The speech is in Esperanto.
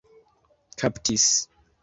kaptis